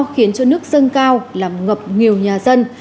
khiến cho nước dâng cao làm ngập nhiều nhà dân